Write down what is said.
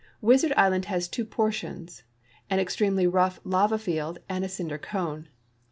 Wizard island has two portions — an extremely rough lava held and a cinder cone.